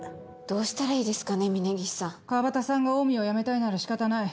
どうしたらいいですかね峰岸さん。川端さんがオウミを辞めたいなら仕方ない。